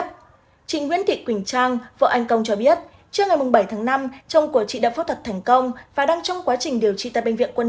trịnh nguyễn thị quỳnh trang vợ anh công cho biết trước ngày bảy tháng năm chồng của chị đã phẫu thuật thành công và đang trong quá trình điều trị tại bệnh viện quân y một trăm linh ba